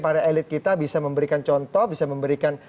para elit kita bisa memberikan contoh bisa memberikan